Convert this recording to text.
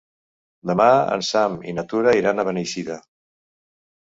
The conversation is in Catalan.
Demà en Sam i na Tura iran a Beneixida.